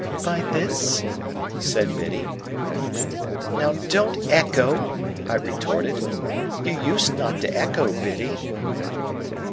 "By this?" said Biddy. "Now, don't echo," I retorted. "You used not to echo, Biddy."